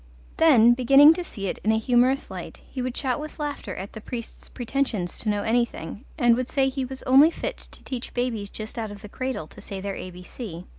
Then, beginning to see it in a humorous light, he would shout with laughter at the priest's pretentions to know anything, and would say he was only fit to teach babies just out of the cradle to say their ABC.